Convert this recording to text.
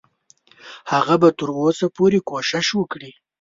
هغه به تر اوسه پورې کوشش وکړي.